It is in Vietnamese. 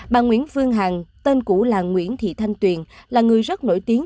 bà nguyễn phương hằng tên cũ là nguyễn thị thanh tuyền là người rất nổi tiếng